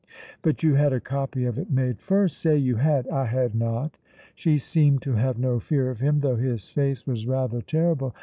"But you had a copy of it made first. Say you had!" "I had not." She seemed to have no fear of him, though his face was rather terrible.